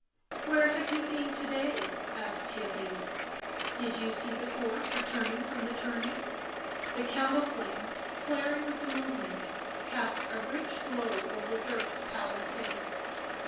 " Where have you been to day ?" asked Theirry. " Did you see the Court returning from the tourney ?" The candle flames, flaring with the movement, cast a rich glow over Dirk's pallid face.